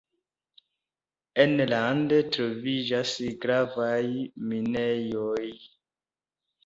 Enlande troviĝas gravaj minejoj.